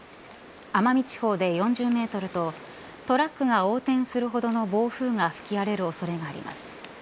奄美地方で４０メートルとトラックが横転するほどの暴風が吹き荒れる恐れがあります。